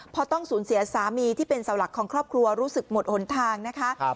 พอต้องสูญเสียสามีที่เป็นเสาหลักของครอบครัวรู้สึกหมดหนทางนะคะ